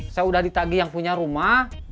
saya udah ditagi yang punya rumah